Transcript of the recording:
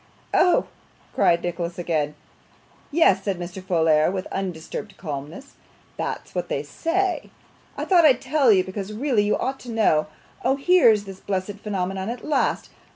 'Oh!' cried Nicholas again. 'Yes,' said Mr. Folair, with undisturbed calmness, 'that's what they say. I thought I'd tell you, because really you ought to know. Oh! here's this blessed phenomenon at last.